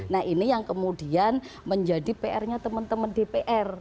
nah ini yang kemudian menjadi pr nya teman teman dpr